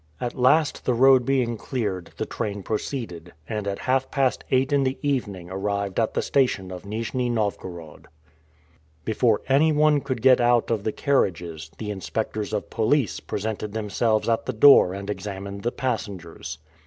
At last, the road being cleared, the train proceeded, and at half past eight in the evening arrived at the station of Nijni Novgorod. Before anyone could get out of the carriages, the inspectors of police presented themselves at the doors and examined the passengers.